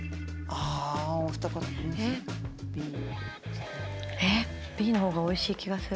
あらおいしい？